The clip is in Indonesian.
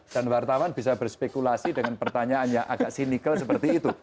dan wartawan bisa berspekulasi dengan pertanyaannya agak sinikal seperti itu